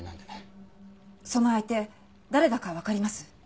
その相手誰だかわかります？